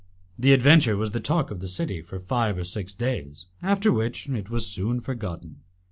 The adventure was the talk of the city for five or six days, after which it was soon forgotten.